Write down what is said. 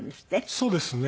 そうですねはい。